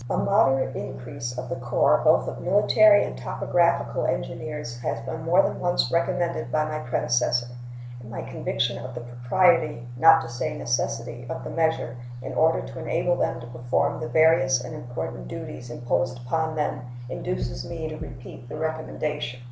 A moderate increase of the corps both of military and topographical engineers has been more than once recommended by my predecessor, and my conviction of the propriety, not to say necessity, of the measure, in order to enable them to perform the various and important duties imposed upon them, induces me to repeat the recommendation.